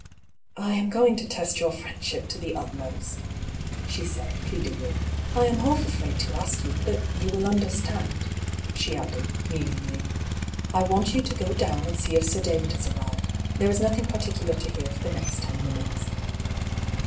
" I am going to test your friendship to the utmost," she said, pleadingly. " I am half afraid to ask you, but you will understand," she added, meaningly. " I want you to go down and see if Sir David has arrived ; there is nothing particular to hear for the next ten minutes."